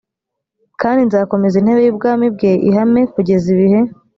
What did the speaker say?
kandi nzakomeza intebe y ubwami bwe ihame kugeza ibihe